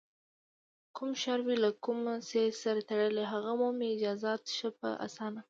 کوم شر وي له کوم څیز سره تړلی، هغه مومي اجازت ښه په اسانه